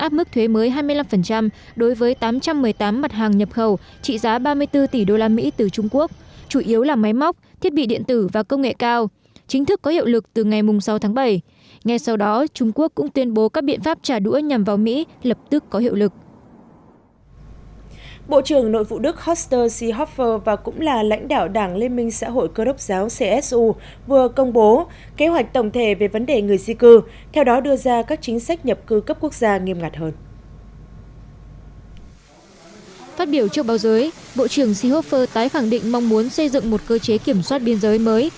phát biểu trước báo giới bộ trưởng seehofer tái khẳng định mong muốn xây dựng một cơ chế kiểm soát biên giới mới